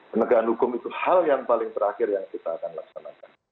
penegaan hukum itu hal yang paling terakhir yang kita akan laksanakan